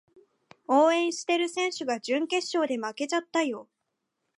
応援してる選手が準決勝で負けちゃったよ